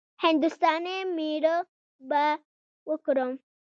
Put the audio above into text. هـنـدوستانی ميړه به وکړم.